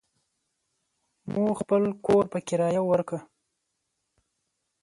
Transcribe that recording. مو خپل کور په کريه وارکه.